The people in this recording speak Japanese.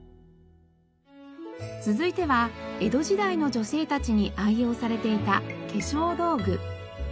続いては江戸時代の女性たちに愛用されていた化粧道具。